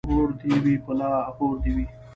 ـ ورور دې وي په لاهور دې وي.